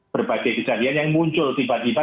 berbagai kejadian yang muncul tiba tiba